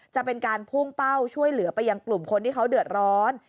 จะเป็นการพุ่งเป้าช่วยเหลือไปยังกลุ่มคนที่เขาเดือดร้อน